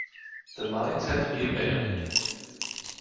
The mines had to be abandoned.